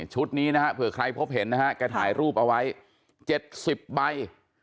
ชุดนี้นะฮะเผื่อใครพบเห็นนะฮะแกถ่ายรูปเอาไว้๗๐ใบ